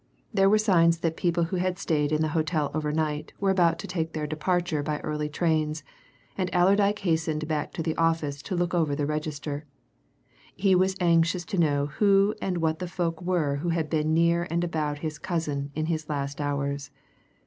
There were signs that people who had stayed in the hotel over night were about to take their departure by early trains, and Allerdyke hastened back to the office to look over the register he was anxious to know who and what the folk were who had been near and about his cousin in his last hours.